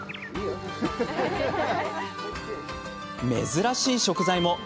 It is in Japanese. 珍しい食材も。